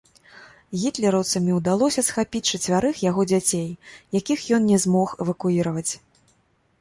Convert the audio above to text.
Гітлераўцамі ўдалося схапіць чацвярых яго дзяцей, якіх ён не змог эвакуіраваць.